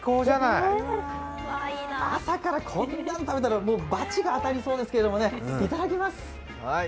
朝からこんなん食べたらバチが当たりそうですけどいただきます。